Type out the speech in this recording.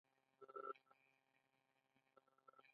الهي منځګړیتوب پورتنۍ سناریو د کرنیز انقلاب ناسم اټکل ښیي.